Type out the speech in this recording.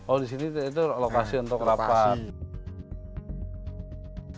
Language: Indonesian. oh di sini itu lokasi untuk rapat